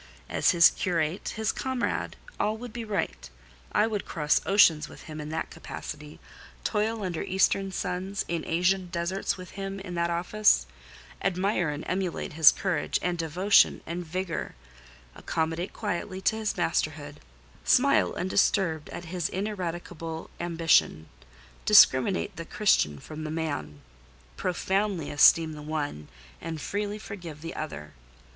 As his curate, his comrade, all would be right: I would cross oceans with him in that capacity; toil under Eastern suns, in Asian deserts with him in that office; admire and emulate his courage and devotion and vigour; accommodate quietly to his masterhood; smile undisturbed at his ineradicable ambition; discriminate the Christian from the man: profoundly esteem the one, and freely forgive the other.